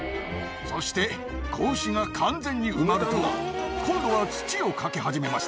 そして子牛が完全に埋まると今度は土をかけ始めました。